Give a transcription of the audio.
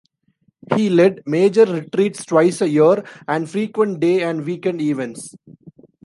He led major retreats twice a year and frequent day and weekend events.